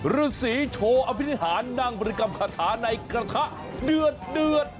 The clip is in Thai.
ฤษีโชว์อภินิหารนั่งบริกรรมคาถาในกระทะเดือด